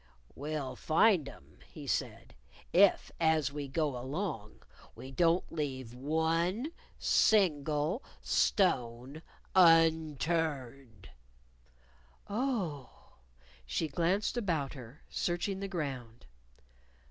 "We'll find 'em," he said, "if, as we go along, we don't leave one single stone unturned." "Oh!" she glanced about her, searching the ground.